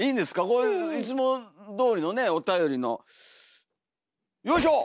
こういつもどおりのねおたよりのよいしょ！